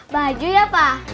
baju ya pak